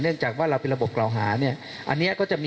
เนื่องจากว่าเราเป็นระบบเก่าหาเนี่ย